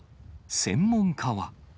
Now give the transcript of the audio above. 専門家は。